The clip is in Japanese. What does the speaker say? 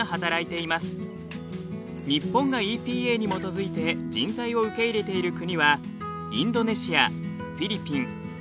日本がＥＰＡに基づいて人材を受け入れている国はインドネシアフィリピンベトナムの３か国です。